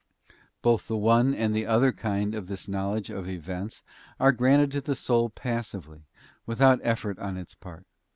f Both the one and the other kind of this knowledge of events are granted to the soul passively, without effort on its part.